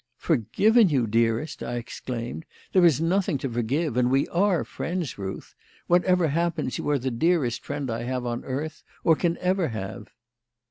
"Forgiven you, dearest!" I exclaimed. "There is nothing to forgive. And we are friends, Ruth. Whatever happens, you are the dearest friend I have on earth, or can ever have."